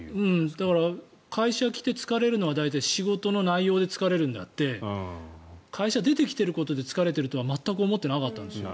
だから会社来て疲れるのは大体、仕事の内容で疲れるのであって会社に出てきていることで疲れているとは全く思ってなかったんです。